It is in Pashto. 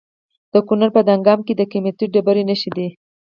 د کونړ په دانګام کې د قیمتي ډبرو نښې دي.